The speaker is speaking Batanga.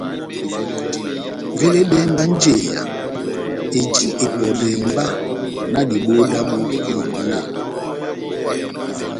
Veledɛhɛ mba njeya eji epɔdɛhɛ mba na diboho dábu dihibiyɛnɔ.